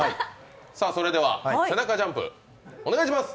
それでは背中ジャンプお願いします。